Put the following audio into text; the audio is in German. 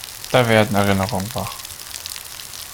Da werden Erinnerungen wach.